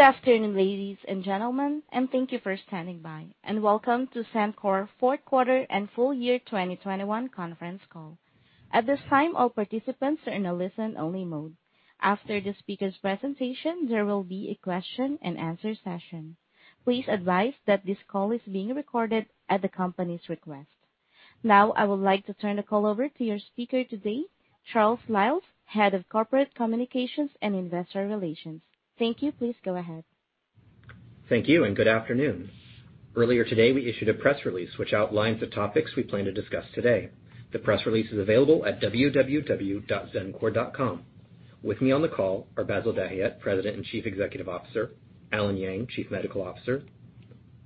Good afternoon, ladies and gentlemen, and thank you for standing by. Welcome to Xencor fourth quarter and full year 2021 conference call. At this time, all participants are in a listen-only mode. After the speaker's presentation, there will be a question and answer session. Please advise that this call is being recorded at the company's request. Now, I would like to turn the call over to your speaker today, Charles Liles, Head of Corporate Communications and Investor Relations. Thank you. Please go ahead. Thank you and good afternoon. Earlier today, we issued a press release which outlines the topics we plan to discuss today. The press release is available at www.xencor.com. With me on the call are Bassil Dahiyat, President and Chief Executive Officer, Allen Yang, Chief Medical Officer,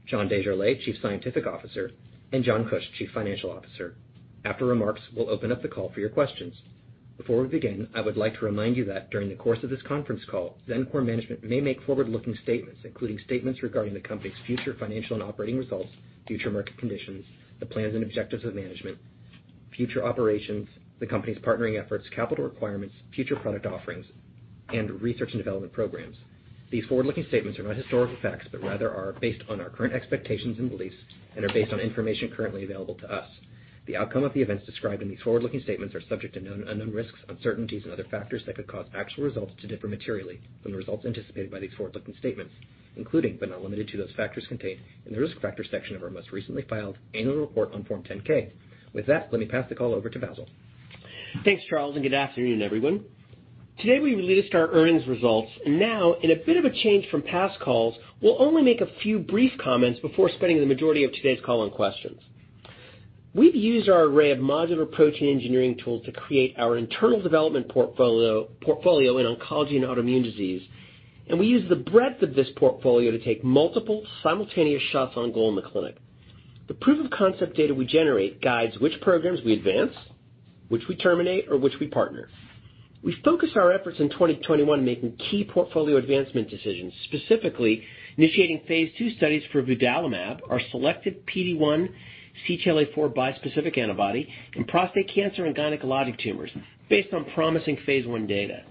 John Desjarlais, Chief Scientific Officer, and John Kuch, Chief Financial Officer. After remarks, we'll open up the call for your questions. Before we begin, I would like to remind you that during the course of this conference call, Xencor management may make forward-looking statements, including statements regarding the company's future financial and operating results, future market conditions, the plans and objectives of management, future operations, the company's partnering efforts, capital requirements, future product offerings, and research and development programs. These forward-looking statements are not historical facts, but rather are based on our current expectations and beliefs and are based on information currently available to us. The outcome of the events described in these forward-looking statements are subject to known and unknown risks, uncertainties, and other factors that could cause actual results to differ materially from the results anticipated by these forward-looking statements, including but not limited to those factors contained in the Risk Factors section of our most recently filed annual report on Form 10-K. With that, let me pass the call over to Bassil. Thanks, Charles, and good afternoon, everyone. Today, we released our earnings results, and now, in a bit of a change from past calls, we'll only make a few brief comments before spending the majority of today's call on questions. We've used our array of modular protein engineering tools to create our internal development portfolio in oncology and autoimmune disease, and we use the breadth of this portfolio to take multiple simultaneous shots on goal in the clinic. The proof of concept data we generate guides which programs we advance, which we terminate or which we partner. We focused our efforts in 2021 making key portfolio advancement decisions, specifically initiating phase II studies for vudalimab, our selected PD-1/CTLA-4 bispecific antibody in prostate cancer and gynecologic tumors based on promising phase I data.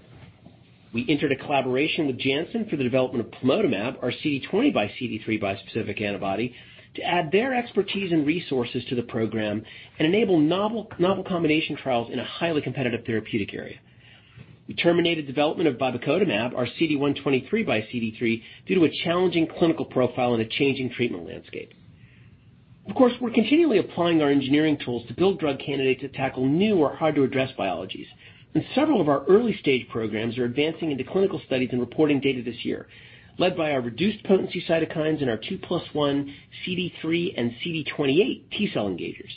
We entered a collaboration with Janssen for the development of plamotamab, our CD20 x CD3 bispecific antibody, to add their expertise and resources to the program and enable novel combination trials in a highly competitive therapeutic area. We terminated development of vibecotamab, our CD123 x CD3, due to a challenging clinical profile in a changing treatment landscape. Of course, we're continually applying our engineering tools to build drug candidates that tackle new or hard-to-address biologies, and several of our early stage programs are advancing into clinical studies and reporting data this year, led by our reduced potency cytokines and our 2+1 CD3 and CD28 T-cell engagers.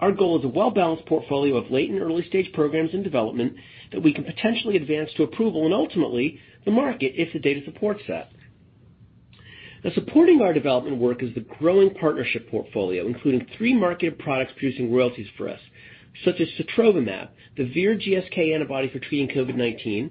Our goal is a well-balanced portfolio of late and early stage programs in development that we can potentially advance to approval and ultimately the market if the data supports that. Now, supporting our development work is the growing partnership portfolio, including three marketed products producing royalties for us, such as sotrovimab, the Vir/GSK antibody for treating COVID-19.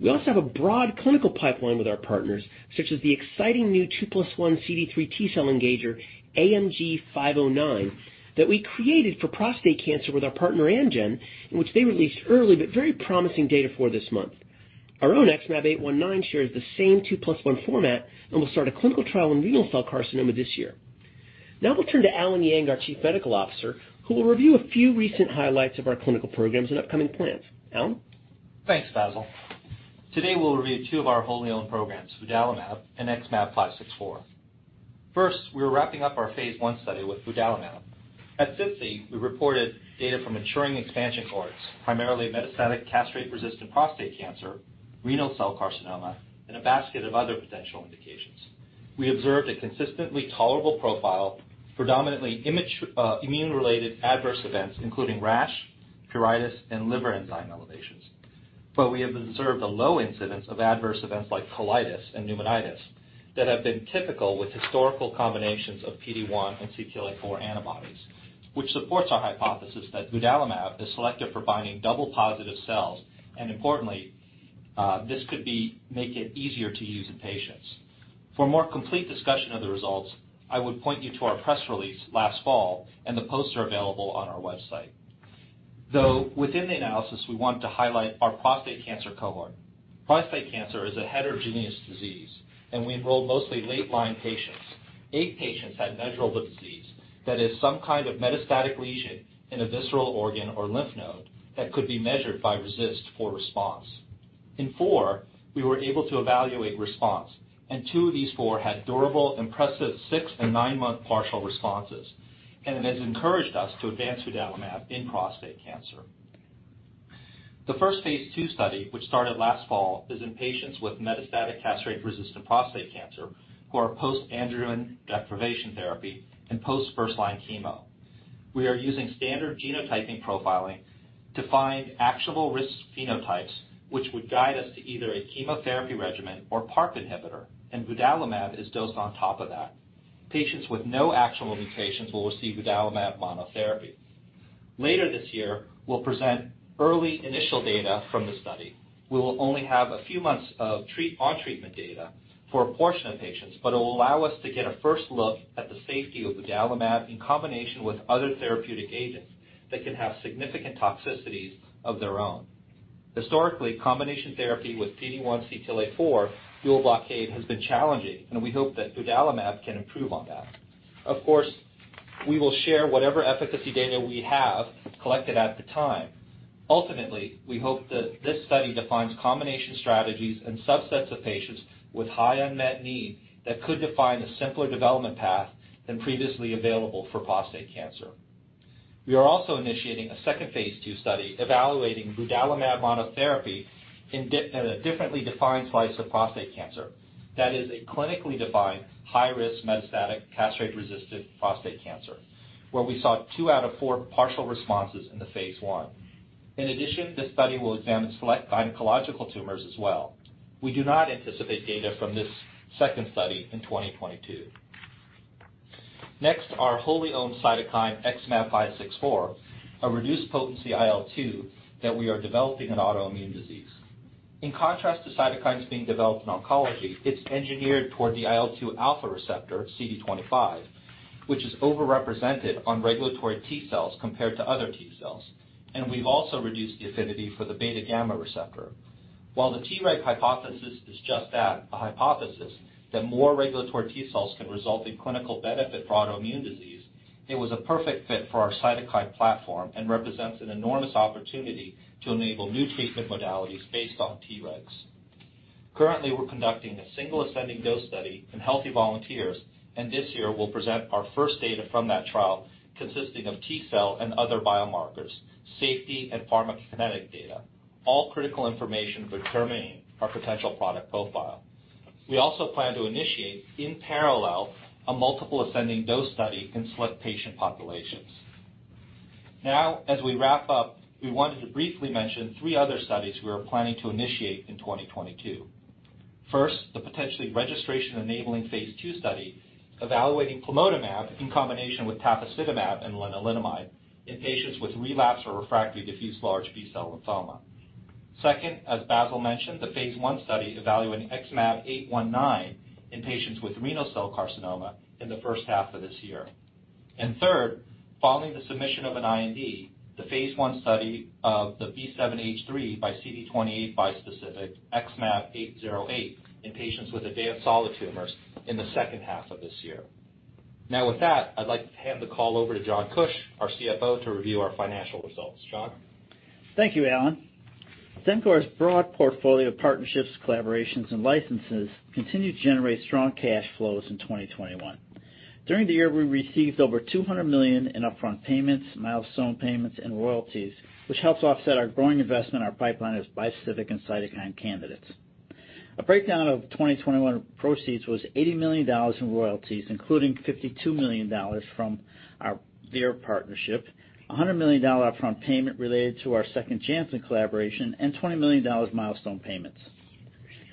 We also have a broad clinical pipeline with our partners, such as the exciting new 2+1 CD3 T-cell engager, AMG-509, that we created for prostate cancer with our partner Amgen, in which they released early but very promising data for this month. Our own XmAb819 shares the same 2+1 format and will start a clinical trial in renal cell carcinoma this year. Now we'll turn to Allen Yang, our Chief Medical Officer, who will review a few recent highlights of our clinical programs and upcoming plans. Allen. Thanks, Bassil. Today, we'll review two of our wholly owned programs, vudalimab and XmAb564. First, we're wrapping up our phase I study with vudalimab. At SITC, we reported data from maturing expansion cohorts, primarily metastatic castration-resistant prostate cancer, renal cell carcinoma, and a basket of other potential indications. We observed a consistently tolerable profile, predominantly immune-related adverse events, including rash, pruritus, and liver enzyme elevations. We have observed a low incidence of adverse events like colitis and pneumonitis that have been typical with historical combinations of PD-1 and CTLA-4 antibodies, which supports our hypothesis that vudalimab is selective for binding double positive cells. Importantly, this could make it easier to use in patients. For a more complete discussion of the results, I would point you to our press release last fall, and the posters are available on our website. Though within the analysis, we want to highlight our prostate cancer cohort. Prostate cancer is a heterogeneous disease, and we enrolled mostly late-line patients. Eight patients had measurable disease. That is some kind of metastatic lesion in a visceral organ or lymph node that could be measured by RECIST for response. In four, we were able to evaluate response, and two of these four had durable, impressive six- and nine-month partial responses. It has encouraged us to advance vudalimab in prostate cancer. The first phase II study, which started last fall, is in patients with metastatic castration-resistant prostate cancer who are post-androgen deprivation therapy and post first-line chemo. We are using standard genomic profiling to find actionable risk phenotypes, which would guide us to either a chemotherapy regimen or PARP inhibitor, and vudalimab is dosed on top of that. Patients with no actionable mutations will receive vudalimab monotherapy. Later this year, we'll present early initial data from the study. We will only have a few months of on treatment data for a portion of patients, but it will allow us to get a first look at the safety of vudalimab in combination with other therapeutic agents that can have significant toxicities of their own. Historically, combination therapy with PD-1/CTLA-4 dual blockade has been challenging, and we hope that vudalimab can improve on that. Of course, we will share whatever efficacy data we have collected at the time. Ultimately, we hope that this study defines combination strategies and subsets of patients with high unmet need that could define a simpler development path than previously available for prostate cancer. We are also initiating a second phase II study evaluating vudalimab monotherapy in a differently defined slice of prostate cancer. That is a clinically defined high-risk metastatic castration-resistant prostate cancer, where we saw two out of four partial responses in the phase I. In addition, this study will examine select gynecological tumors as well. We do not anticipate data from this second study in 2022. Next, our wholly owned cytokine, XmAb564, a reduced potency IL-2 that we are developing for an autoimmune disease. In contrast to cytokines being developed in oncology, it's engineered toward the IL-2 alpha receptor, CD25, which is over-represented on regulatory T cells compared to other T cells. We've also reduced the affinity for the beta gamma receptor. While the Treg hypothesis is just that, a hypothesis that more regulatory T cells can result in clinical benefit for autoimmune disease, it was a perfect fit for our cytokine platform and represents an enormous opportunity to enable new treatment modalities based on Tregs. Currently, we're conducting a single ascending dose study in healthy volunteers, and this year we'll present our first data from that trial consisting of T-cell and other biomarkers, safety and pharmacokinetic data, all critical information for determining our potential product profile. We also plan to initiate, in parallel, a multiple ascending dose study in select patient populations. Now, as we wrap up, we wanted to briefly mention three other studies we are planning to initiate in 2022. First, the potentially registration-enabling phase II study evaluating plamotamab in combination with tafasitamab and lenalidomide in patients with relapsed or refractory diffuse large B-cell lymphoma. Second, as Basil mentioned, the phase I study evaluating XmAb819 in patients with renal cell carcinoma in the first half of this year. Third, following the submission of an IND, the phase I study of the B7-H3 x CD28 bispecific XmAb808 in patients with advanced solid tumors in the second half of this year. Now, with that, I'd like to hand the call over to John Kuch, our CFO, to review our financial results. John? Thank you, Allen. Xencor's broad portfolio of partnerships, collaborations, and licenses continue to generate strong cash flows in 2021. During the year, we received over $200 million in upfront payments, milestone payments, and royalties, which helps offset our growing investment in our pipeline as bispecific and cytokine candidates. A breakdown of 2021 proceeds was $80 million in royalties, including $52 million from our Vir partnership, a $100 million upfront payment related to our second Janssen collaboration, and $20 million milestone payments.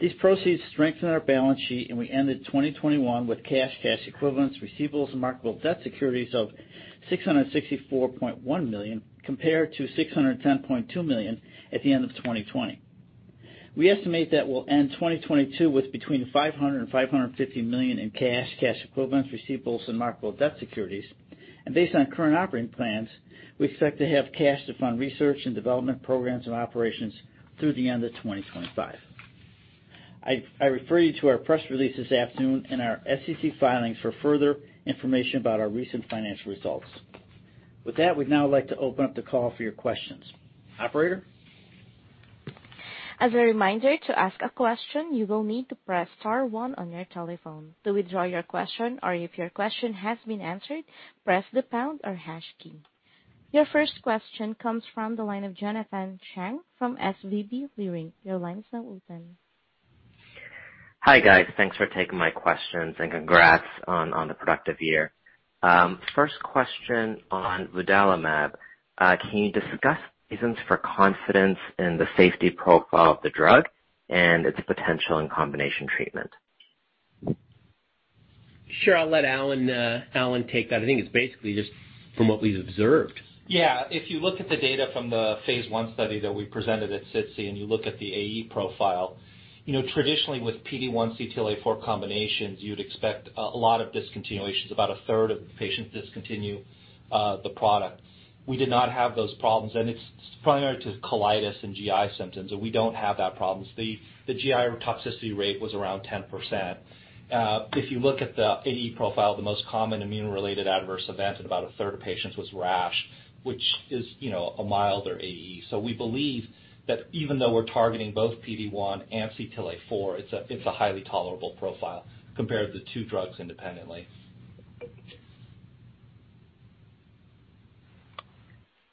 These proceeds strengthen our balance sheet, and we ended 2021 with cash equivalents, receivables, and marketable debt securities of $664.1 million, compared to $610.2 million at the end of 2020. We estimate that we'll end 2022 with between $500 million and $550 million in cash equivalents, receivables, and marketable debt securities. Based on current operating plans, we expect to have cash to fund research and development programs and operations through the end of 2025. I refer you to our press release this afternoon and our SEC filings for further information about our recent financial results. With that, we'd now like to open up the call for your questions. Operator? As a reminder, to ask a question, you will need to press star one on your telephone. To withdraw your question or if your question has been answered, press the pound or hash key. Your first question comes from the line of Jonathan Chang from SVB Leerink. Your line is now open. Hi, guys. Thanks for taking my questions and congrats on the productive year. First question on vudalimab. Can you discuss reasons for confidence in the safety profile of the drug and its potential in combination treatment? Sure. I'll let Allen take that. I think it's basically just from what we've observed. Yeah. If you look at the data from the phase I study that we presented at SITC, and you look at the AE profile, you know, traditionally with PD-1/CTLA-4 combinations, you'd expect a lot of discontinuations. About 1/3 of the patients discontinue the product. We did not have those problems, and it's primarily due to colitis and GI symptoms, and we don't have those problems. The GI toxicity rate was around 10%. If you look at the AE profile, the most common immune-related adverse event in about 1/3 of patients was rash, which is, you know, a milder AE. We believe that even though we're targeting both PD-1 and CTLA-4, it's a highly tolerable profile compared to the two drugs independently.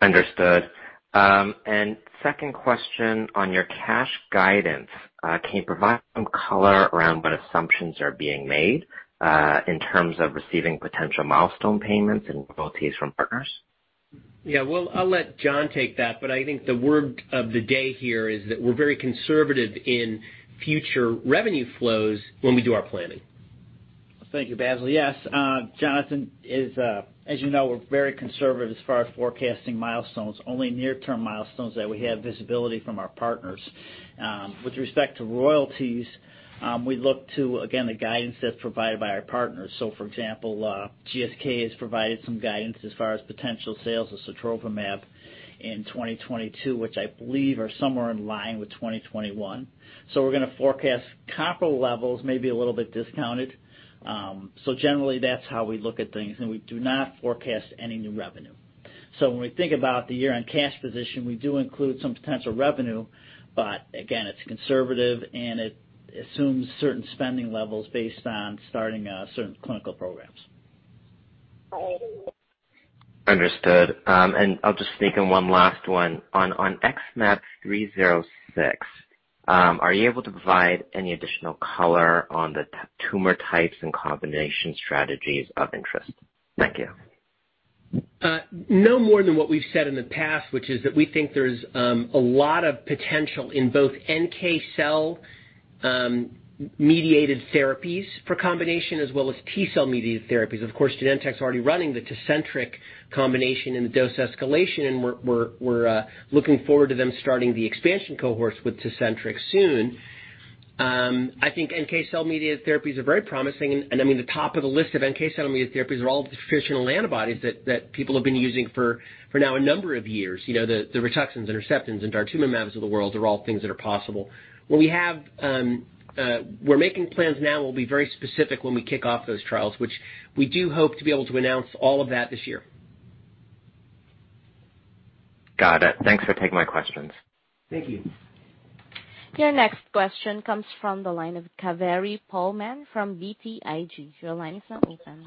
Understood. Second question on your cash guidance, can you provide some color around what assumptions are being made, in terms of receiving potential milestone payments and royalties from partners? Yeah. Well, I'll let John take that, but I think the word of the day here is that we're very conservative in future revenue flows when we do our planning. Thank you, Bassil. Yes, Jonathan, as you know, we're very conservative as far as forecasting milestones, only near-term milestones that we have visibility from our partners. With respect to royalties, we look to, again, the guidance that's provided by our partners. For example, GSK has provided some guidance as far as potential sales of sotrovimab in 2022, which I believe are somewhere in line with 2021. We're gonna forecast quota levels may be a little bit discounted. Generally, that's how we look at things, and we do not forecast any new revenue. When we think about the year-end cash position, we do include some potential revenue, but again, it's conservative, and it assumes certain spending levels based on starting out certain clinical programs. Understood. I'll just sneak in one last one. On XmAb306, are you able to provide any additional color on the tumor types and combination strategies of interest? Thank you. No more than what we've said in the past, which is that we think there's a lot of potential in both NK cell-mediated therapies for combination as well as T cell-mediated therapies. Of course, Genentech's already running the Tecentriq combination in the dose escalation, and we're looking forward to them starting the expansion cohorts with Tecentriq soon. I think NK cell-mediated therapies are very promising, and I mean, the top of the list of NK cell-mediated therapies are all the traditional antibodies that people have been using for now a number of years. You know, the Rituxans, Herceptins, and daratumumabs of the world are all things that are possible. What we have, we're making plans now. We'll be very specific when we kick off those trials, which we do hope to be able to announce all of that this year. Got it. Thanks for taking my questions. Thank you. Your next question comes from the line of Kaveri Pohlman from BTIG. Your line is now open.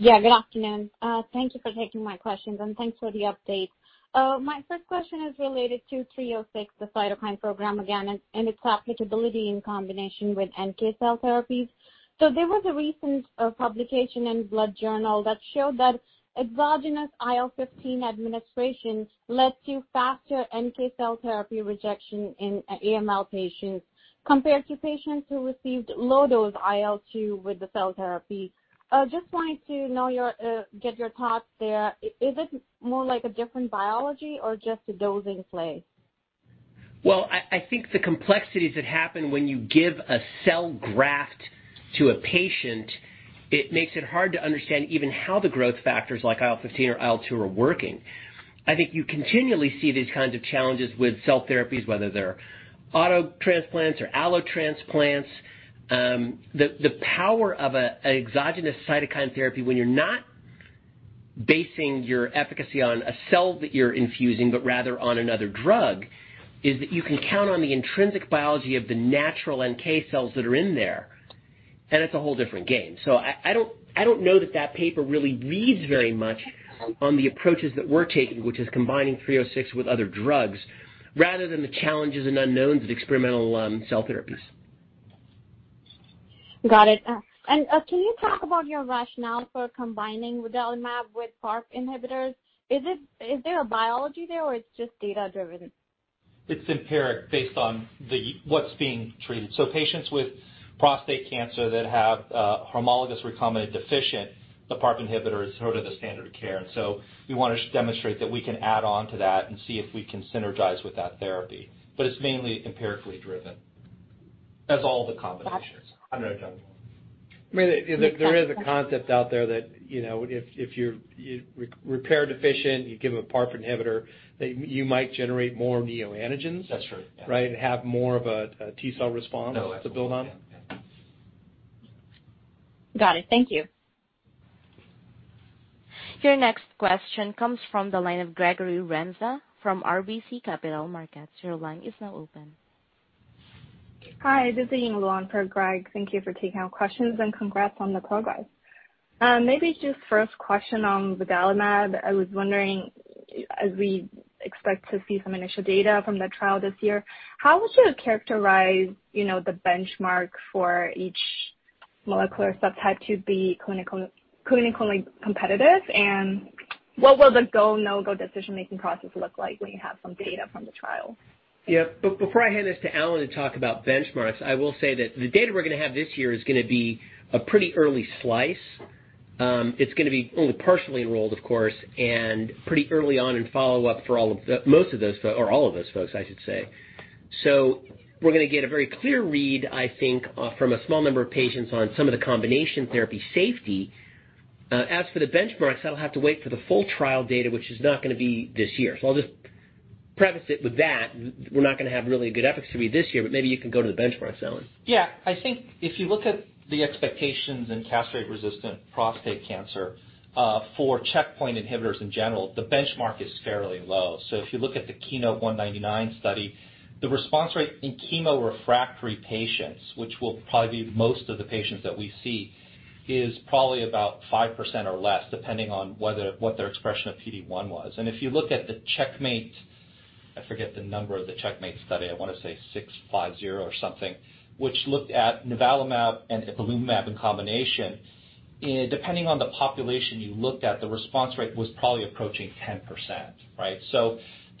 Yeah, good afternoon. Thank you for taking my questions, and thanks for the update. My first question is related to XmAb306, the cytokine program again, and its applicability in combination with NK cell therapies. There was a recent publication in Blood Journal that showed that exogenous IL-15 administration led to faster NK cell therapy rejection in AML patients compared to patients who received low dose IL-2 with the cell therapy. Just to get your thoughts there. Is it more like a different biology or just a dosing play? Well, I think the complexities that happen when you give a cell graft to a patient, it makes it hard to understand even how the growth factors like IL-15 or IL-2 are working. I think you continually see these kinds of challenges with cell therapies, whether they're auto transplants or allo transplants. The power of an exogenous cytokine therapy when you're not basing your efficacy on a cell that you're infusing, but rather on another drug, is that you can count on the intrinsic biology of the natural NK cells that are in there, and it's a whole different game. I don't know that that paper really reads very much on the approaches that we're taking, which is combining XmAb306 with other drugs, rather than the challenges and unknowns of experimental cell therapies. Got it. Can you talk about your rationale for combining vudalimab with PARP inhibitors? Is there a biology there, or it's just data-driven? It's empiric based on the what's being treated. Patients with prostate cancer that have homologous recombination deficient, the PARP inhibitor is sort of the standard of care. We want to demonstrate that we can add on to that and see if we can synergize with that therapy. It's mainly empirically driven, as all the combinations. Got it. I don't know, John. I mean, there is a concept out there that, you know, if you're repair deficient, you give a PARP inhibitor, that you might generate more neoantigens. That's true. Right? Have more of a T-cell response to build on. Got it. Thank you. Your next question comes from the line of Gregory Renza from RBC Capital Markets. Your line is now open. Hi, this is Ying Lu for Greg. Thank you for taking our questions, and congrats on the progress. Maybe just first question on the vudalimab. I was wondering, as we expect to see some initial data from the trial this year, how would you characterize, you know, the benchmark for each molecular subtype to be clinical, clinically competitive? And what will the go, no-go decision making process look like when you have some data from the trial? Yeah. Before I hand this to Allen to talk about benchmarks, I will say that the data we're gonna have this year is gonna be a pretty early slice. It's gonna be only partially enrolled, of course, and pretty early on in follow-up for most of those folks or all of those folks, I should say. We're gonna get a very clear read, I think, from a small number of patients on some of the combination therapy safety. As for the benchmarks, that'll have to wait for the full trial data, which is not gonna be this year. I'll just preface it with that. We're not gonna have really a good efficacy read this year, but maybe you can go to the benchmarks, Allen. I think if you look at the expectations in castration-resistant prostate cancer for checkpoint inhibitors in general, the benchmark is fairly low. If you look at the KEYNOTE-199 study, the response rate in chemo-refractory patients, which will probably be most of the patients that we see, is probably about 5% or less, depending on what their expression of PD-1 was. If you look at the CheckMate, I forget the number of the CheckMate study, I wanna say 650 or something, which looked at nivolumab and ipilimumab in combination, depending on the population you looked at, the response rate was probably approaching 10%, right?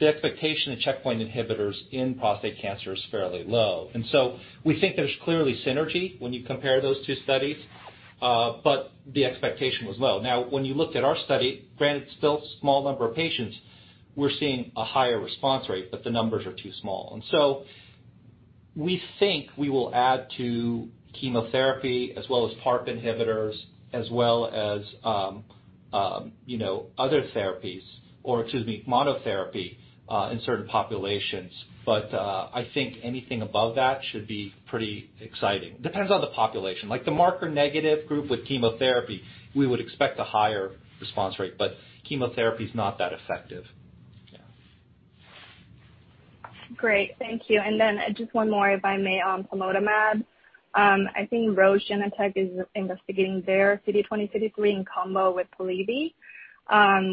The expectation of checkpoint inhibitors in prostate cancer is fairly low. We think there's clearly synergy when you compare those two studies. The expectation was low. Now, when you looked at our study, granted it's still small number of patients, we're seeing a higher response rate, but the numbers are too small. We think we will add to chemotherapy as well as PARP inhibitors, as well as, you know, other therapies, or excuse me, monotherapy, in certain populations. I think anything above that should be pretty exciting. Depends on the population. Like the marker negative group with chemotherapy, we would expect a higher response rate, but chemotherapy is not that effective. Yeah. Great. Thank you. Just one more, if I may, on plamotamab. I think Roche Genentech is investigating their CD20, CD3 in combo with Polivy.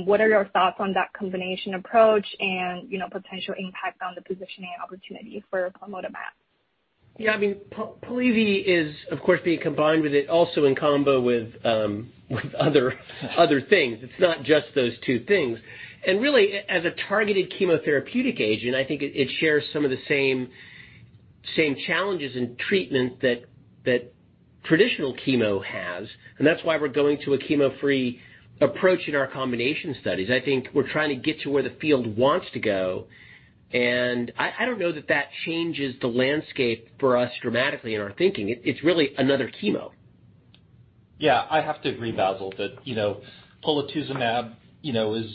What are your thoughts on that combination approach and, you know, potential impact on the positioning opportunity for plamotamab? Yeah, I mean, Polivy is, of course, being combined with it also in combo with other things. It's not just those two things. Really, as a targeted chemotherapeutic agent, I think it shares some of the same challenges in treatment that traditional chemo has. That's why we're going to a chemo-free approach in our combination studies. I think we're trying to get to where the field wants to go. I don't know that that changes the landscape for us dramatically in our thinking. It's really another chemo. Yeah. I have to agree, Bassil, that, you know, polatuzumab, you know, is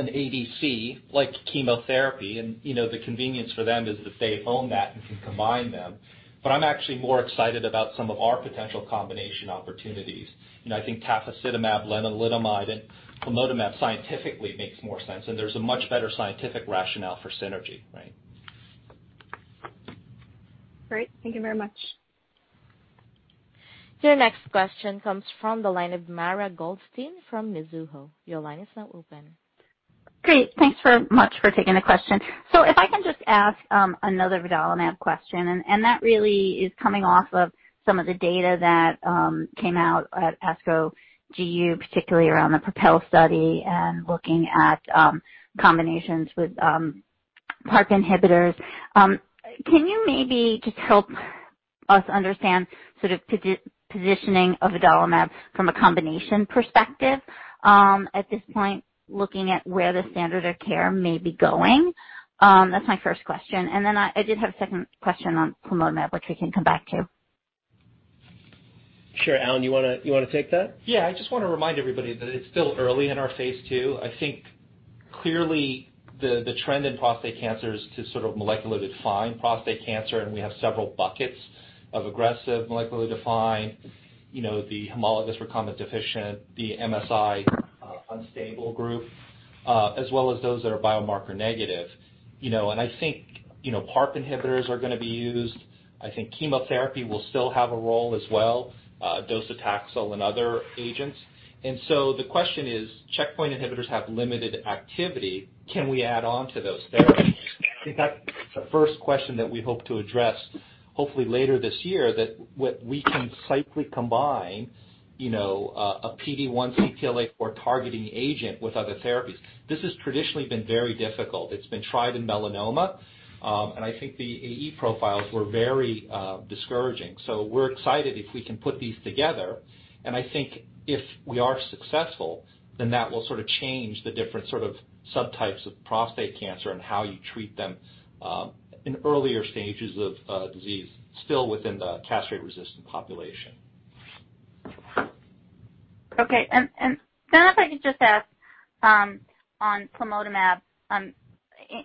an ADC like chemotherapy, and, you know, the convenience for them is that they own that and can combine them. I'm actually more excited about some of our potential combination opportunities. You know, I think tafasitamab, lenalidomide, and plamotamab scientifically makes more sense, and there's a much better scientific rationale for synergy, right? Great. Thank you very much. Your next question comes from the line of Mara Goldstein from Mizuho. Your line is now open. Great. Thanks very much for taking the question. If I can just ask another vudalimab question, and that really is coming off of some of the data that came out at ASCO GU, particularly around the PROPEL study and looking at combinations with PARP inhibitors. Can you maybe just help us understand sort of positioning of vudalimab from a combination perspective, at this point, looking at where the standard of care may be going? That's my first question. Then I did have a second question on plamotamab, which we can come back to. Sure. Allen, you wanna take that? Yeah. I just wanna remind everybody that it's still early in our phase II. I think clearly the trend in prostate cancer is to sort of molecularly define prostate cancer, and we have several buckets of aggressive molecularly defined, you know, the homologous recombination-deficient, the MSI-unstable group, as well as those that are biomarker negative. You know, and I think, you know, PARP inhibitors are gonna be used. I think chemotherapy will still have a role as well, docetaxel and other agents. And so the question is, checkpoint inhibitors have limited activity. Can we add on to those therapies? I think that's the first question that we hope to address, hopefully later this year, that what we can safely combine, you know, a PD-1/CTLA-4 or targeting agent with other therapies. This has traditionally been very difficult. It's been tried in melanoma, and I think the AE profiles were very discouraging. We're excited if we can put these together. I think if we are successful, then that will sort of change the different sort of subtypes of prostate cancer and how you treat them, in earlier stages of disease still within the castration-resistant population. Okay. Then if I could just ask, on plamotamab,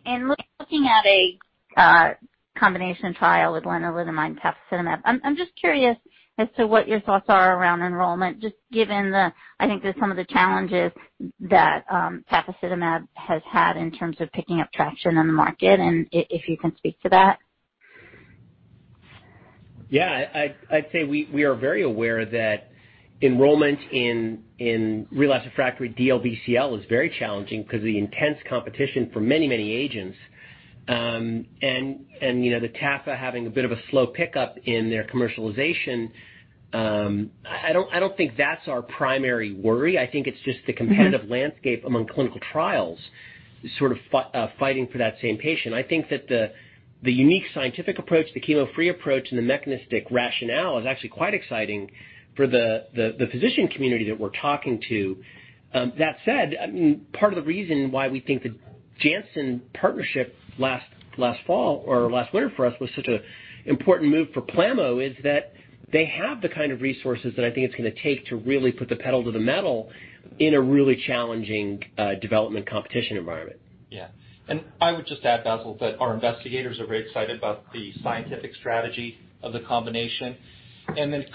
in looking at a combination trial with lenalidomide and tafasitamab, I'm just curious as to what your thoughts are around enrollment, just given the, I think, some of the challenges that tafasitamab has had in terms of picking up traction in the market, and if you can speak to that. I'd say we are very aware that enrollment in relapsed/refractory DLBCL is very challenging 'cause of the intense competition for many agents. You know, the tafasitamab having a bit of a slow pickup in their commercialization, I don't think that's our primary worry. I think it's just the competitive landscape among clinical trials sort of fighting for that same patient. I think that the unique scientific approach, the chemo-free approach, and the mechanistic rationale is actually quite exciting for the physician community that we're talking to. That said, I mean, part of the reason why we think the Janssen partnership last fall or last winter for us was such an important move for plamotamab is that they have the kind of resources that I think it's gonna take to really put the pedal to the metal in a really challenging development competition environment. Yeah. I would just add, Bassil, that our investigators are very excited about the scientific strategy of the combination.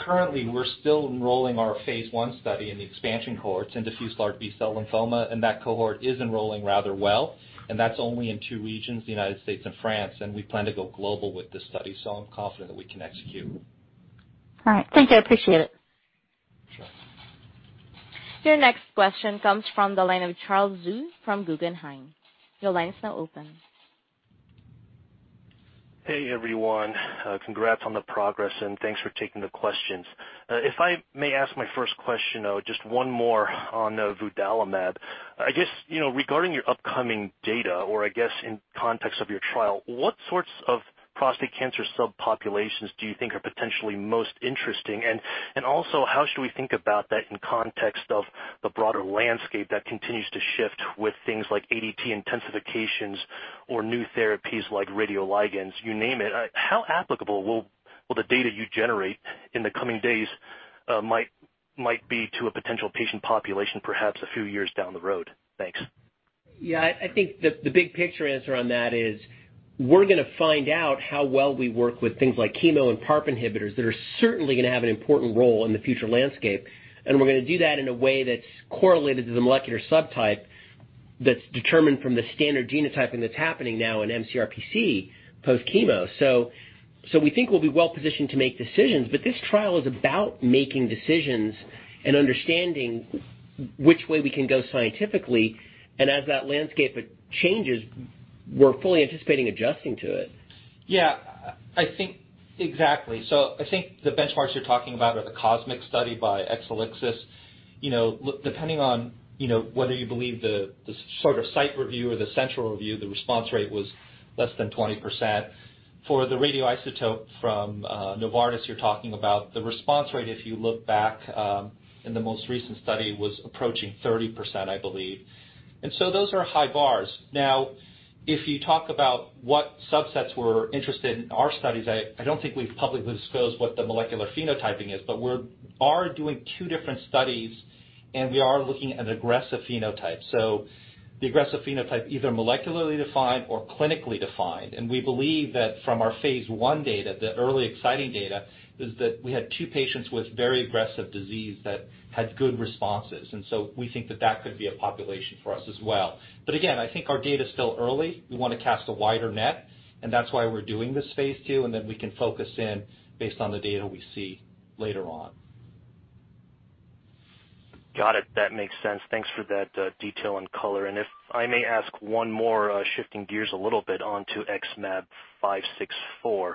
Currently, we're still enrolling our phase I study in the expansion cohorts in diffuse large B-cell lymphoma, and that cohort is enrolling rather well. That's only in two regions, the United States and France, and we plan to go global with this study, so I'm confident that we can execute. All right. Thank you. I appreciate it. Your next question comes from the line of Charles Zhu from Guggenheim. Your line is now open. Hey everyone, congrats on the progress and thanks for taking the questions. If I may ask my first question, though, just one more on vudalimab. I guess, you know, regarding your upcoming data or I guess in context of your trial, what sorts of prostate cancer subpopulations do you think are potentially most interesting? And also how should we think about that in context of the broader landscape that continues to shift with things like ADT intensifications or new therapies like radioligands, you name it. How applicable will the data you generate in the coming days might be to a potential patient population perhaps a few years down the road? Thanks. Yeah, I think the big picture answer on that is we're gonna find out how well we work with things like chemo and PARP inhibitors that are certainly gonna have an important role in the future landscape. We're gonna do that in a way that's correlated to the molecular subtype that's determined from the standard genotyping that's happening now in mCRPC post-chemo. We think we'll be well-positioned to make decisions, but this trial is about making decisions and understanding which way we can go scientifically. As that landscape changes, we're fully anticipating adjusting to it. I think the benchmarks you're talking about are the COSMIC study by Exelixis. Depending on whether you believe the sort of site review or the central review, the response rate was less than 20%. For the radioisotope from Novartis, you're talking about the response rate if you look back in the most recent study was approaching 30%, I believe. Those are high bars. If you talk about what subsets we're interested in our studies, I don't think we've publicly disclosed what the molecular phenotyping is, but we are doing two different studies, and we are looking at aggressive phenotypes. The aggressive phenotype, either molecularly defined or clinically defined, and we believe that from our phase I data, the early exciting data, is that we had two patients with very aggressive disease that had good responses. We think that that could be a population for us as well. Again, I think our data is still early. We wanna cast a wider net, and that's why we're doing this phase II, and then we can focus in based on the data we see later on. Got it. That makes sense. Thanks for that, detail and color. If I may ask one more, shifting gears a little bit onto XmAb564,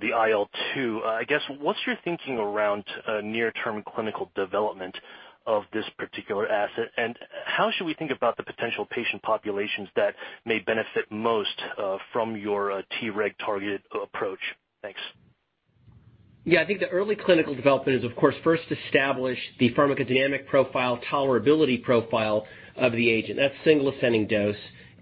the IL-2. I guess, what's your thinking around, near-term clinical development of this particular asset? How should we think about the potential patient populations that may benefit most, from your, Treg targeted approach? Thanks. Yeah. I think the early clinical development is, of course, first establish the pharmacodynamic profile, tolerability profile of the agent. That's single ascending dose,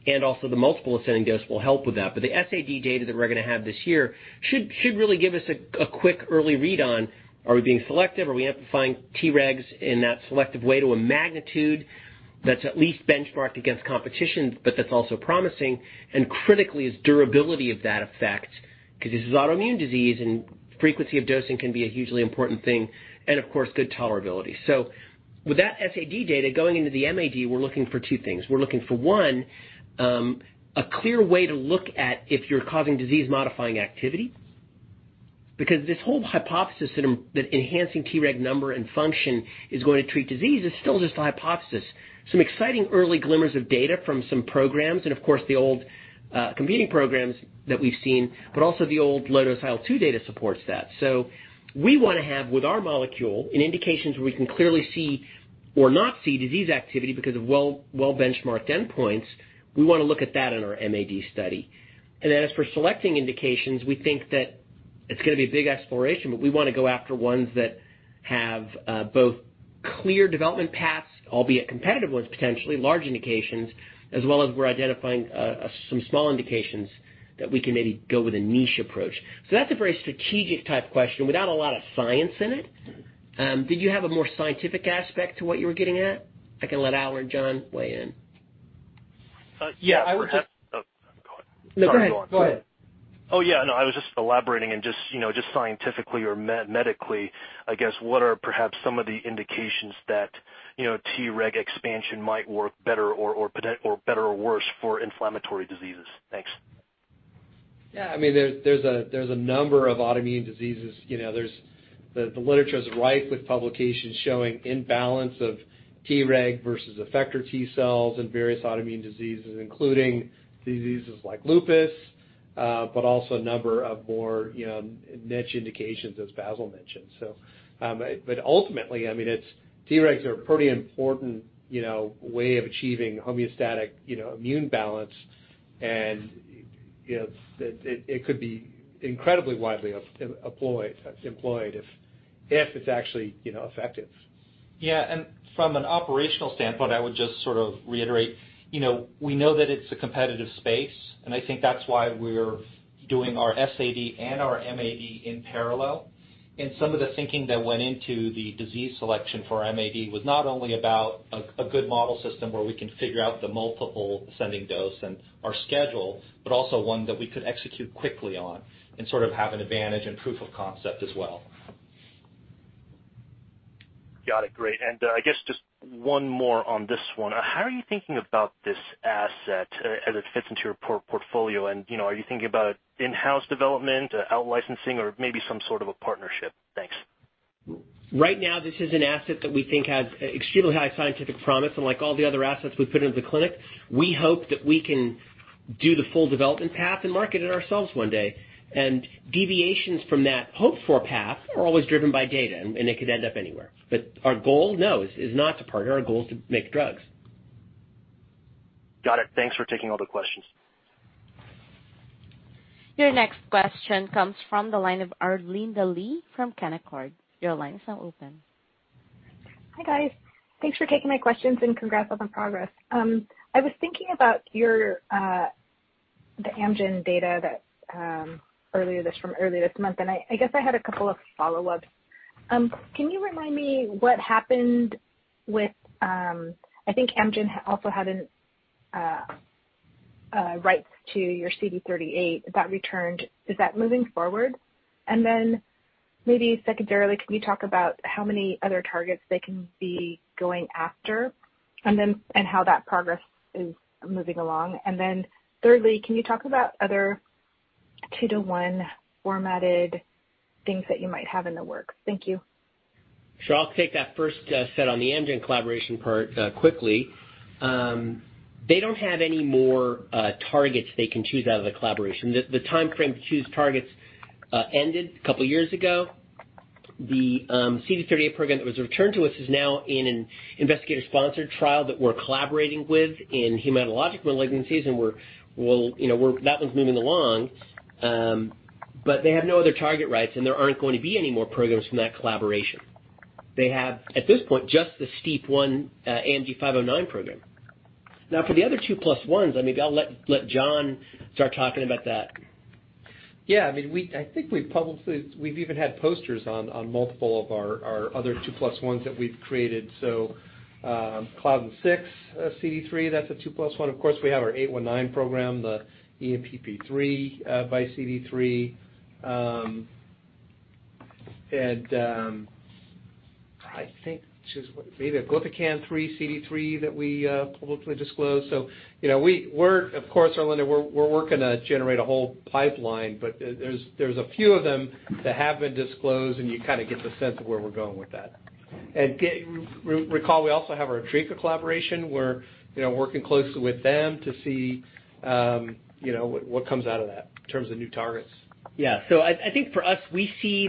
and also the multiple ascending dose will help with that. The SAD data that we're gonna have this year should really give us a quick early read on are we being selective? Are we amplifying Tregs in that selective way to a magnitude that's at least benchmarked against competition, but that's also promising? Critically is durability of that effect 'cause this is autoimmune disease and frequency of dosing can be a hugely important thing and of course good tolerability. With that SAD data going into the MAD, we're looking for two things. We're looking for one, a clear way to look at if you're causing disease-modifying activity. Because this whole hypothesis that enhancing Treg number and function is going to treat disease is still just a hypothesis. Some exciting early glimmers of data from some programs and of course the old competing programs that we've seen, but also the old LOTUS IL-2 data supports that. We wanna have with our molecule in indications where we can clearly see or not see disease activity because of well benchmarked endpoints, we wanna look at that in our MAD study. As for selecting indications, we think that it's gonna be a big exploration, but we wanna go after ones that have both clear development paths, albeit competitive ones, potentially large indications, as well as we're identifying some small indications that we can maybe go with a niche approach. That's a very strategic type question without a lot of science in it. Did you have a more scientific aspect to what you were getting at? I can let Al or John weigh in. Yeah. I would just- Oh, go ahead. No, go ahead. Oh, yeah. No, I was just elaborating and just, you know, just scientifically or medically, I guess, what are perhaps some of the indications that, you know, Treg expansion might work better or worse for inflammatory diseases? Thanks. Yeah. I mean, there's a number of autoimmune diseases. You know, there's the literature's rife with publications showing imbalance of Treg versus effector T cells in various autoimmune diseases, including diseases like lupus, but also a number of more, you know, niche indications as Basil mentioned. But ultimately, I mean, it's Tregs are a pretty important, you know, way of achieving homeostatic, you know, immune balance and, you know, it could be incredibly widely employed if it's actually, you know, effective. Yeah. From an operational standpoint, I would just sort of reiterate, you know, we know that it's a competitive space, and I think that's why we're doing our SAD and our MAD in parallel. Some of the thinking that went into the disease selection for our MAD was not only about a good model system where we can figure out the multiple ascending dose and our schedule, but also one that we could execute quickly on and sort of have an advantage and proof of concept as well. Got it. Great. I guess just one more on this one. How are you thinking about this asset as it fits into your portfolio? You know, are you thinking about in-house development, out licensing or maybe some sort of a partnership? Thanks. Right now, this is an asset that we think has extremely high scientific promise. Like all the other assets we put into the clinic, we hope that we can do the full development path and market it ourselves one day. Deviations from that hoped-for path are always driven by data, and it could end up anywhere. Our goal is not to partner. Our goal is to make drugs. Got it. Thanks for taking all the questions. Your next question comes from the line of Arlinda Lee from Canaccord. Your line is now open. Hi, guys. Thanks for taking my questions and congrats on the progress. I was thinking about your Amgen data from earlier this month, and I guess I had a couple of follow-ups. Can you remind me what happened with I think Amgen also had rights to your CD38 that returned? Is that moving forward? Maybe secondarily, can you talk about how many other targets they can be going after and then how that progress is moving along? Thirdly, can you talk about other two-to-one formatted things that you might have in the works? Thank you. Sure. I'll take that first set on the Amgen collaboration part quickly. They don't have any more targets they can choose out of the collaboration. The timeframe to choose targets ended a couple years ago. The CD38 program that was returned to us is now in an investigator-sponsored trial that we're collaborating with in hematologic malignancies, and you know, that one's moving along. They have no other target rights, and there aren't going to be any more programs from that collaboration. They have, at this point, just the STEAP1 AMG 509 program. Now for the other 2+1s, I mean, I'll let John start talking about that. Yeah, I mean, I think we've publicly even had posters on multiple of our other 2+1s that we've created. claudin-6 x CD3, that's a 2+1. Of course, we have our XmAb819 program, the ENPP3 x CD3. I think just maybe a glypican-3 x CD3 that we publicly disclosed. You know, we're of course, Arlinda, we're working to generate a whole pipeline, but there's a few of them that have been disclosed, and you kinda get the sense of where we're going with that. Recall, we also have our Atreca collaboration. We're working closely with them to see what comes out of that in terms of new targets. Yeah. I think for us, we see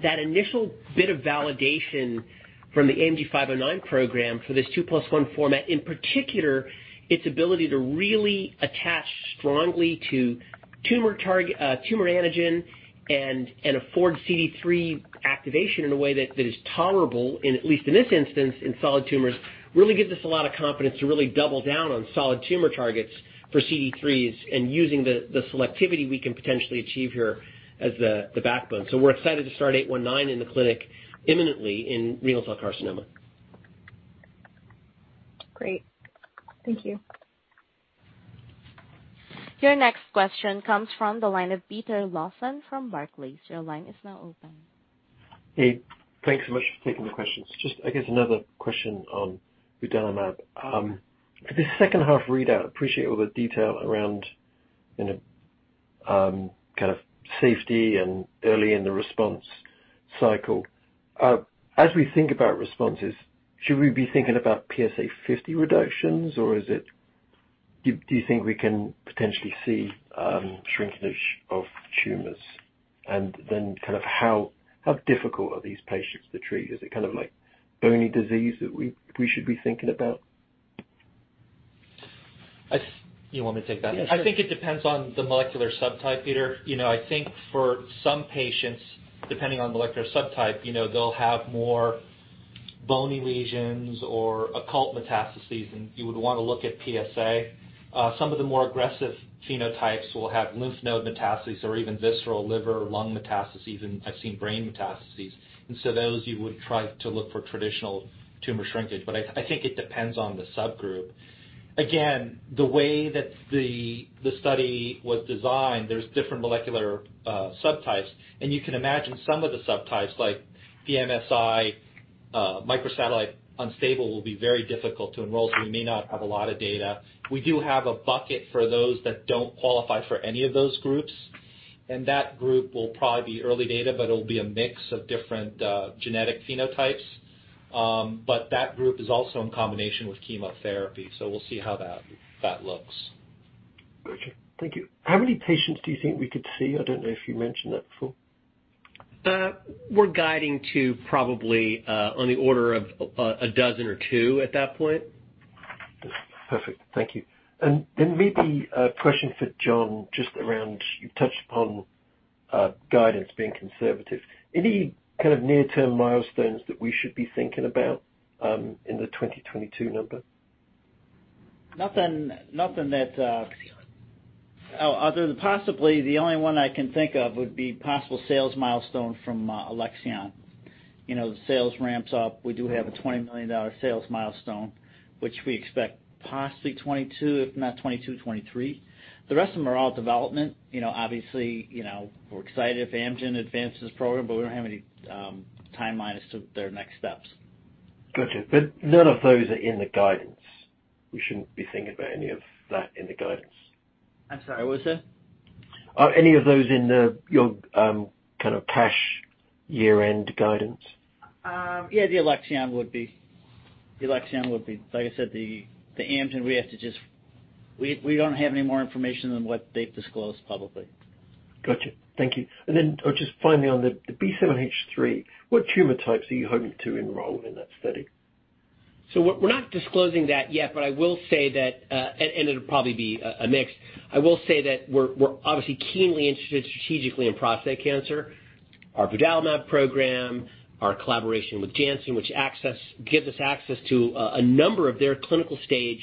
that initial bit of validation from the AMG 509 program for this 2+1 format, in particular, its ability to really attach strongly to tumor target, tumor antigen and afford CD3 activation in a way that is tolerable, and at least in this instance, in solid tumors, really gives us a lot of confidence to really double down on solid tumor targets for CD3s and using the selectivity we can potentially achieve here as the backbone. We're excited to start XmAb819 in the clinic imminently in renal cell carcinoma. Great. Thank you. Your next question comes from the line of Peter Lawson from Barclays. Your line is now open. Hey. Thanks so much for taking the questions. Just, I guess, another question on vudalimab. The second half readout, appreciate all the detail around, you know, kind of safety and early in the response cycle. As we think about responses, should we be thinking about PSA 50 reductions, or is it? Do you think we can potentially see shrinkage of tumors? And then kind of how difficult are these patients to treat? Is it kind of like bony disease that we should be thinking about? You want me to take that? Yeah. I think it depends on the molecular subtype, Peter. You know, I think for some patients, depending on molecular subtype, you know, they'll have more bony lesions or occult metastases, and you would wanna look at PSA. Some of the more aggressive phenotypes will have lymph node metastases or even visceral liver lung metastases, and I've seen brain metastases. Those you would try to look for traditional tumor shrinkage. I think it depends on the subgroup. Again, the way that the study was designed, there's different molecular subtypes. You can imagine some of the subtypes, like MSI, microsatellite unstable will be very difficult to enroll, so we may not have a lot of data. We do have a bucket for those that don't qualify for any of those groups, and that group will probably be early data, but it'll be a mix of different genetic phenotypes. That group is also in combination with chemotherapy, so we'll see how that looks. Gotcha. Thank you. How many patients do you think we could see? I don't know if you mentioned that before. We're guiding to probably, on the order of, a dozen or two at that point. Perfect. Thank you. Maybe a question for John, just around, you touched upon, guidance being conservative. Any kind of near-term milestones that we should be thinking about, in the 2022 number? Nothing that. Oh, other than possibly the only one I can think of would be possible sales milestone from Alexion. You know, the sales ramps up. We do have a $20 million sales milestone, which we expect possibly 2022, if not 2023. The rest of them are all development. You know, obviously, you know, we're excited if Amgen advances the program, but we don't have any timelines to their next steps. Gotcha. None of those are in the guidance. We shouldn't be thinking about any of that in the guidance. I'm sorry, what was that? Are any of those in your kind of cash year-end guidance? Yeah, the Alexion would be. Like I said, the Amgen. We don't have any more information than what they've disclosed publicly. Gotcha. Thank you. Just finally, on the B7-H3, what tumor types are you hoping to enroll in that study? We're not disclosing that yet, but I will say that it'll probably be a mix. I will say that we're obviously keenly interested strategically in prostate cancer. Our vudalimab program, our collaboration with Janssen, which gives us access to a number of their clinical stage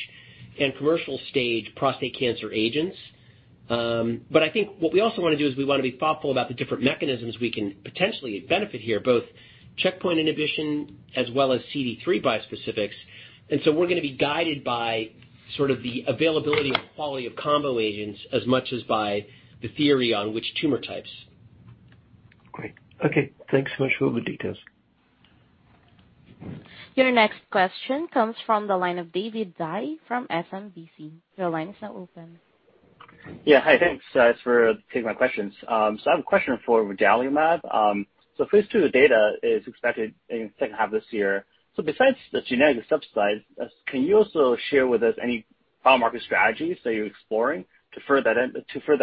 and commercial stage prostate cancer agents. But I think what we also wanna do is we wanna be thoughtful about the different mechanisms we can potentially benefit here, both checkpoint inhibition as well as CD3 bispecifics. We're gonna be guided by sort of the availability and quality of combo agents as much as by the theory on which tumor types. Great. Okay. Thanks so much for all the details. Your next question comes from the line of David Dai from SMBC. Your line is now open. Yeah, hi. Thanks for taking my questions. I have a question for vudalimab. Phase II data is expected in second half of this year. Besides the genetic subsets, can you also share with us any biomarker strategies that you're exploring to further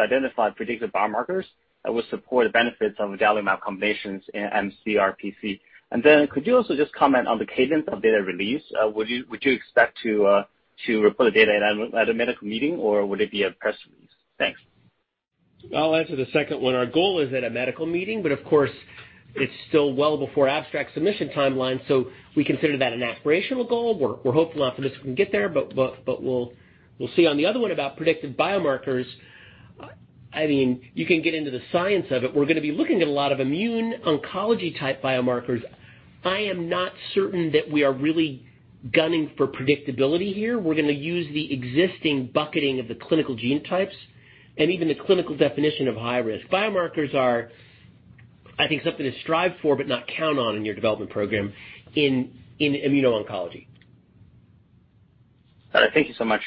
identify predictive biomarkers that will support the benefits of vudalimab combinations in mCRPC? Could you also just comment on the cadence of data release? Would you expect to report the data at a medical meeting, or would it be a press release? Thanks. I'll answer the second one. Our goal is at a medical meeting, but of course, it's still well before abstract submission timeline. We consider that an aspirational goal. We're hopeful, optimistic we can get there, but we'll see. On the other one about predictive biomarkers, I mean, you can get into the science of it. We're gonna be looking at a lot of immuno-oncology-type biomarkers. I am not certain that we are really gunning for predictability here. We're gonna use the existing bucketing of the clinical genotypes and even the clinical definition of high risk. Biomarkers are, I think, something to strive for but not count on in your development program in immuno-oncology. All right. Thank you so much.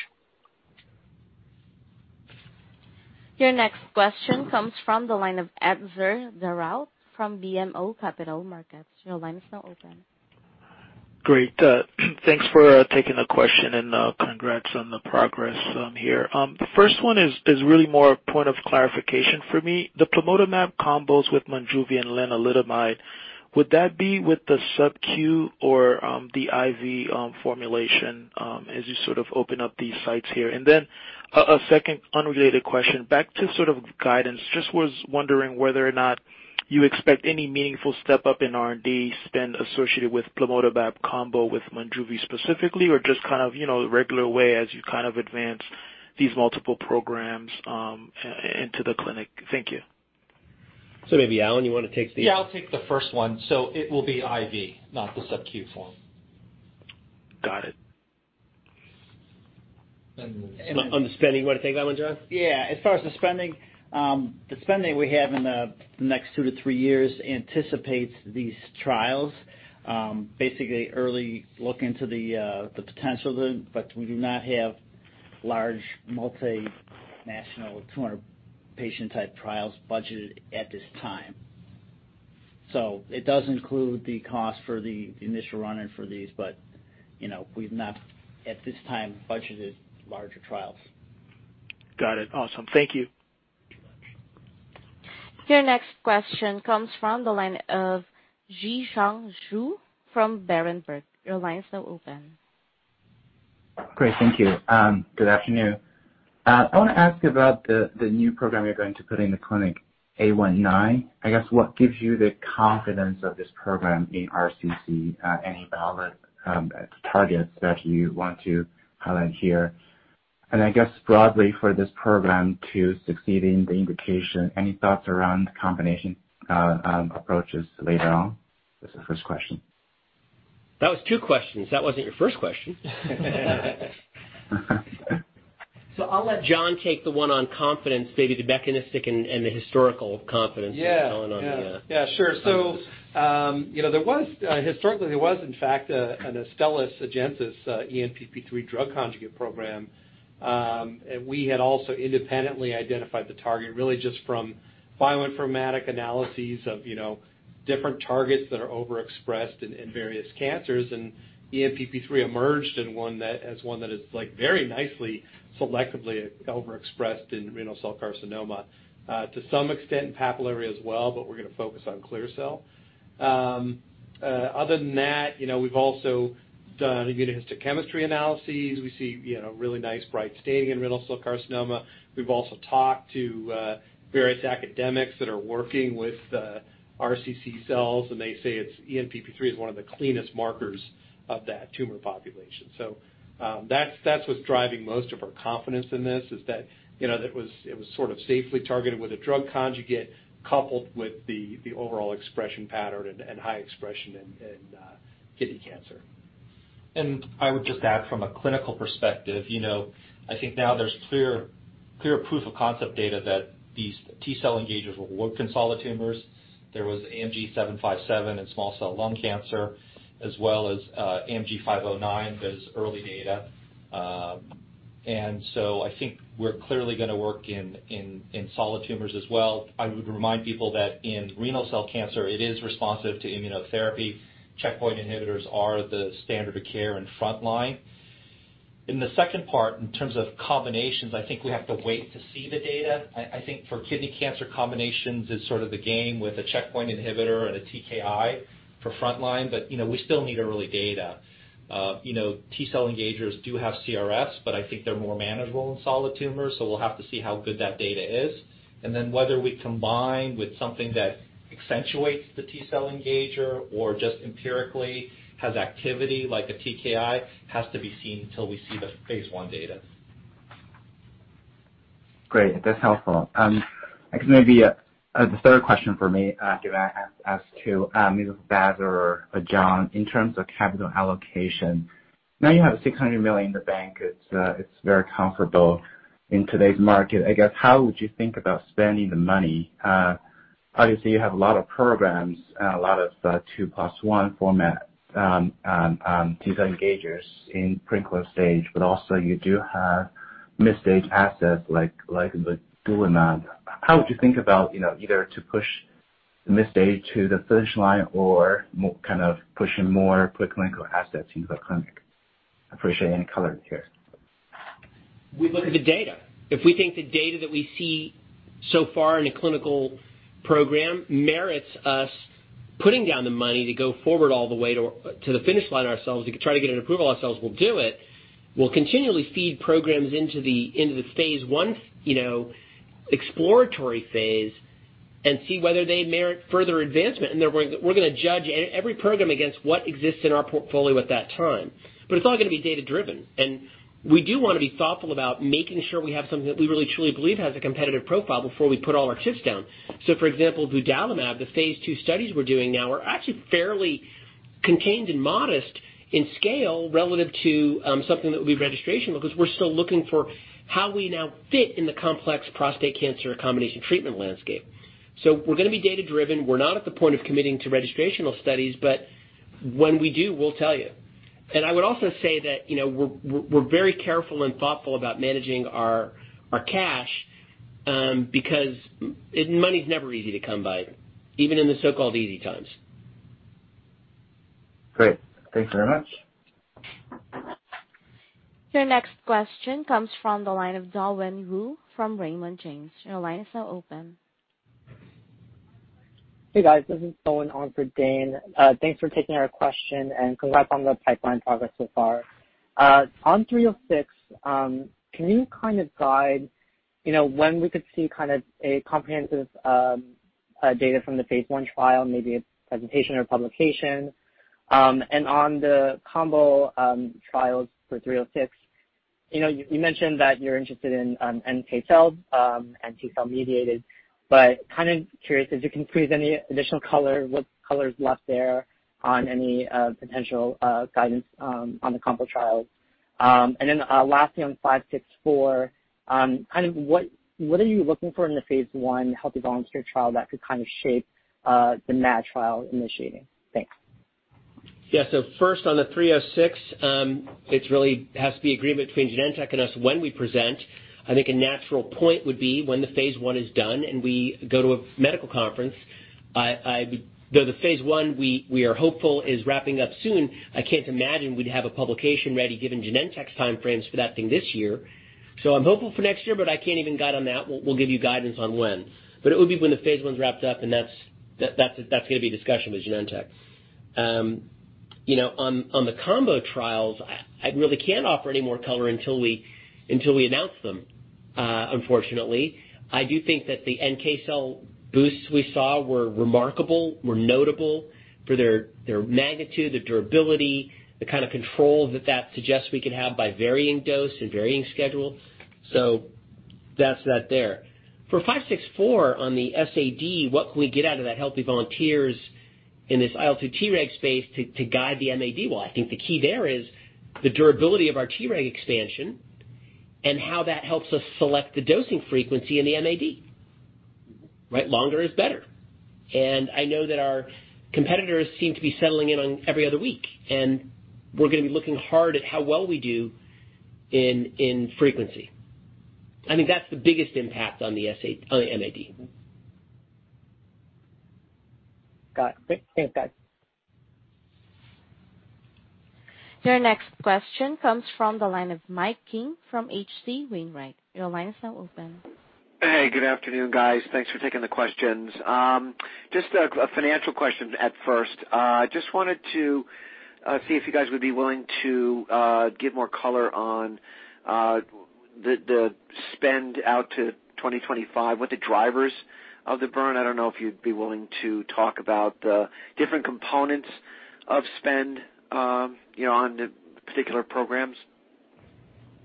Your next question comes from the line of Etzer Darout from BMO Capital Markets. Your line is now open. Great. Thanks for taking the question, and congrats on the progress here. The first one is really more a point of clarification for me. The plamotamab combos with Monjuvi and lenalidomide, would that be with the sub-Q or the IV formulation as you sort of open up these sites here? A second unrelated question. Back to sort of guidance, just was wondering whether or not you expect any meaningful step up in R&D spend associated with plamotamab combo with Monjuvi specifically, or just kind of, you know, the regular way as you kind of advance these multiple programs into the clinic. Thank you. Maybe, Allen, you wanna take the. Yeah, I'll take the first one. It will be IV, not the sub-Q form. Got it. On the spending, you wanna take that one, John? Yeah. As far as the spending, the spending we have in the next two to three years anticipates these trials. Basically early look into the potential, but we do not have large multinational 200-patient type trials budgeted at this time. It does include the cost for the initial run-in for these, but, you know, we've not at this time budgeted larger trials. Got it. Awesome. Thank you. Your next question comes from the line of Zhiqiang Shu from Berenberg. Your line's now open. Great. Thank you. Good afternoon. I wanna ask about the new program you're going to put in the clinic, XmAb819. I guess, what gives you the confidence of this program in RCC, any valid targets that you want to highlight here? I guess broadly for this program to succeeding the indication, any thoughts around combination approaches later on? That's the first question. That was two questions. That wasn't your first question. I'll let John take the one on confidence, maybe the mechanistic and the historical confidence- Yeah. -going on the, uh- Yeah. Sure. -confidence. You know, there was historically in fact an Astellas Agensys ENPP3 drug conjugate program. We had also independently identified the target really just from bioinformatics analyses of you know different targets that are overexpressed in various cancers. ENPP3 emerged as one that is like very nicely selectively overexpressed in renal cell carcinoma. To some extent in papillary as well, but we're gonna focus on clear cell. Other than that, you know, we've also done immunohistochemistry analyses. We see you know really nice bright staining in renal cell carcinoma. We've also talked to various academics that are working with the RCC cells, and they say ENPP3 is one of the cleanest markers of that tumor population. That's what's driving most of our confidence in this, is that, you know, that it was sort of safely targeted with a drug conjugate coupled with the overall expression pattern and high expression in kidney cancer. I would just add from a clinical perspective, you know, I think now there's clear proof of concept data that these T-cell engagers will work in solid tumors. There was AMG 757 in small cell lung cancer, as well as AMG 509. There's early data. I think we're clearly gonna work in solid tumors as well. I would remind people that in renal cell cancer, it is responsive to immunotherapy. Checkpoint inhibitors are the standard of care in frontline. In the second part, in terms of combinations, I think we have to wait to see the data. I think for kidney cancer combinations, it's sort of the game with a checkpoint inhibitor and a TKI for frontline, but, you know, we still need early data. You know, T cell engagers do have CRS, but I think they're more manageable in solid tumors, so we'll have to see how good that data is. Whether we combine with something that accentuates the T cell engager or just empirically has activity like a TKI has to be seen till we see the phase I data. Great. That's helpful. I guess maybe the third question for me, given I asked to either Bass or John, in terms of capital allocation, now you have $600 million in the bank. It's very comfortable in today's market. I guess, how would you think about spending the money? Obviously, you have a lot of programs and a lot of 2+1 format T cell engagers in pre-clinical stage, but also you do have mid-stage assets like vudalimab. How would you think about, you know, either to push the mid-stage to the finish line or more kind of pushing more pre-clinical assets into the clinic? Appreciate any color here. We look at the data. If we think the data that we see so far in a clinical program merits us putting down the money to go forward all the way to the finish line ourselves to try to get an approval ourselves, we'll do it. We'll continually feed programs into the phase I, you know, exploratory phase and see whether they merit further advancement. We're gonna judge every program against what exists in our portfolio at that time. It's all gonna be data-driven, and we do wanna be thoughtful about making sure we have something that we really truly believe has a competitive profile before we put all our chips down. For example, vudalimab, the phase II studies we're doing now are actually fairly contained and modest in scale relative to something that would be registrational because we're still looking for how we now fit in the complex prostate cancer combination treatment landscape. We're gonna be data-driven. We're not at the point of committing to registrational studies, but when we do, we'll tell you. I would also say that, you know, we're very careful and thoughtful about managing our cash because money's never easy to come by, even in the so-called easy times. Great. Thanks very much. Your next question comes from the line of Dan Wu from Raymond James. Your line is now open. Hey, guys. This is Dawen, on for Dan. Thanks for taking our question, and congrats on the pipeline progress so far. On XmAb306, can you kind of guide, you know, when we could see kind of a comprehensive data from the phase I trial, maybe a presentation or publication? On the combo trials for XmAb306, you know, you mentioned that you're interested in NK cells and T-cell mediated, but kind of curious if you can provide any additional color, what color is left there on any potential guidance on the combo trials. And then, lastly on 564, kind of what are you looking for in the phase I healthy volunteer trial that could kind of shape the MAD trial initiating? Thanks. Yeah. First on the XmAb306, it's really has to be agreement between Genentech and us when we present. I think a natural point would be when the phase I is done, and we go to a medical conference. Though the phase I, we are hopeful is wrapping up soon, I can't imagine we'd have a publication ready given Genentech's timeframes for that being this year. I'm hopeful for next year, but I can't even guide on that. We'll give you guidance on when. But it would be when the phase I's wrapped up, and that's gonna be a discussion with Genentech. You know, on the combo trials, I really can't offer any more color until we announce them, unfortunately. I do think that the NK cell boosts we saw were remarkable, notable for their magnitude, the durability, the kind of control that suggests we could have by varying dose and varying schedule. That's there. For XmAb564 on the SAD, what can we get out of that healthy volunteers in this IL-2 Treg space to guide the MAD? I think the key there is the durability of our Treg expansion and how that helps us select the dosing frequency in the MAD, right? Longer is better. I know that our competitors seem to be settling in on every other week, and we're gonna be looking hard at how well we do in frequency. I think that's the biggest impact on the MAD. Got it. Thanks, guys. Your next question comes from the line of Mike King from H.C. Wainwright. Your line is now open. Hey, good afternoon, guys. Thanks for taking the questions. Just a financial question at first. Just wanted to see if you guys would be willing to give more color on the spend out to 2025, what the drivers of the burn. I don't know if you'd be willing to talk about the different components of spend, you know, on the particular programs.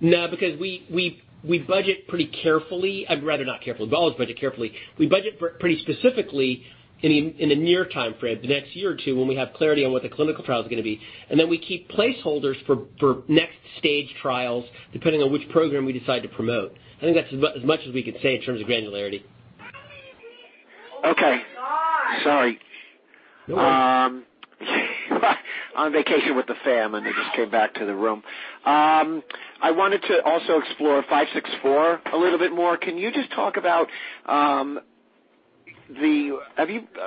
No, because we budget pretty carefully. I'd rather not carefully. We always budget carefully. We budget pretty specifically in a near timeframe, the next year or two, when we have clarity on what the clinical trial is gonna be, and then we keep placeholders for next stage trials, depending on which program we decide to promote. I think that's as much as we can say in terms of granularity. Okay. Sorry. On vacation with the fam, and I just came back to the room. I wanted to also explore five six four a little bit more. Can you just talk about have you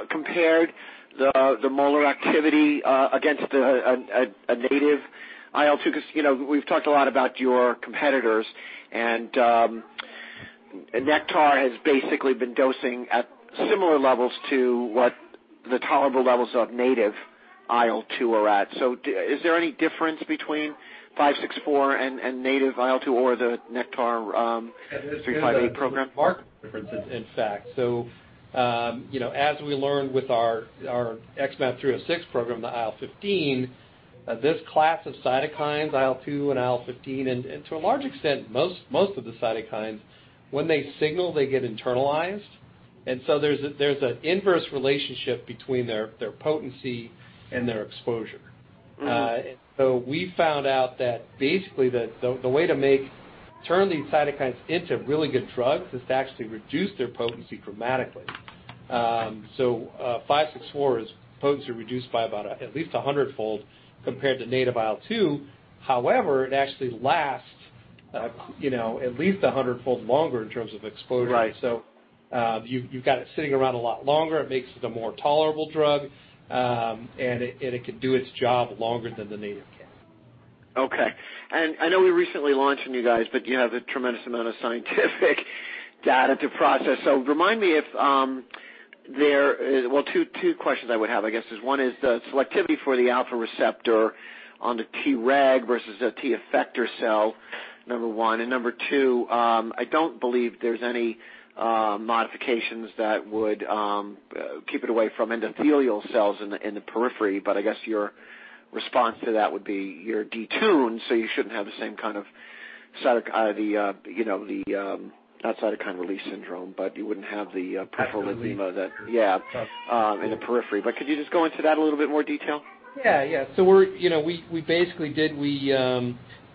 compared the molar activity against a native IL-2? 'Cause, you know, we've talked a lot about your competitors and Nektar has basically been dosing at similar levels to what the tolerable levels of native IL-2 are at. Is there any difference between five six four and native IL-2 or the Nektar three five eight program? Marked difference, in fact. You know, as we learned with our XmAb306 program, the IL-15, this class of cytokines, IL-2 and IL-15, and to a large extent, most of the cytokines, when they signal, they get internalized. There's an inverse relationship between their potency and their exposure. Mm-hmm. We found out that basically the way to turn these cytokines into really good drugs is to actually reduce their potency dramatically. XmAb564 is potency reduced by at least a hundredfold compared to native IL-2. However, it actually lasts at least a hundredfold longer in terms of exposure. Right. You've got it sitting around a lot longer. It makes it a more tolerable drug. It can do its job longer than the native can. Okay. I know we recently launched, and you guys, but you have a tremendous amount of scientific data to process. Remind me if there is. Well, two questions I would have, I guess, is one is the selectivity for the alpha receptor on the Treg versus a T effector cell, number one. Number two, I don't believe there's any modifications that would keep it away from endothelial cells in the periphery, but I guess your response to that would be you're detuned, so you shouldn't have the same kind of cyto- or the, you know, the outside cytokine release syndrome, but you wouldn't have the. Absolutely. Periphery that. Yeah. Yes. In the periphery. Could you just go into that a little bit more detail?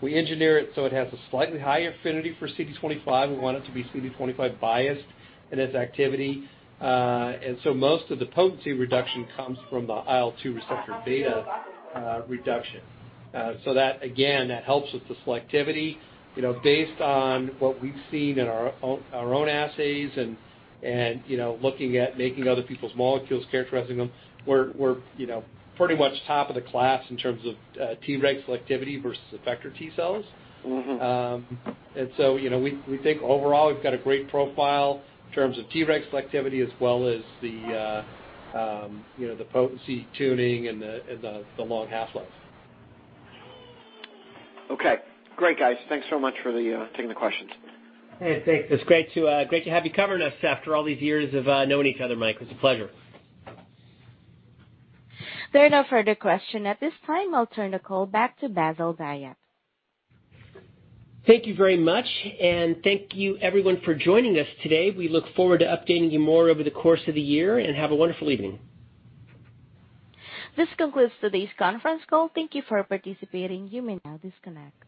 We engineer it so it has a slightly higher affinity for CD25. We want it to be CD25 biased in its activity. Most of the potency reduction comes from the IL-2 receptor beta reduction. That again helps with the selectivity. You know, based on what we've seen in our own assays and you know, looking at making other people's molecules, characterizing them, we're you know, pretty much top of the class in terms of Treg selectivity versus effector T cells. Mm-hmm. You know, we think overall we've got a great profile in terms of Treg selectivity as well as, you know, the potency tuning and the long half-lives. Okay. Great, guys. Thanks so much for taking the questions. Hey, thanks. It's great to have you covering us after all these years of knowing each other, Mike. It's a pleasure. There are no further questions at this time. I'll turn the call back to Bassil Dahiyat. Thank you very much, and thank you everyone for joining us today. We look forward to updating you more over the course of the year, and have a wonderful evening. This concludes today's conference call. Thank you for participating. You may now disconnect.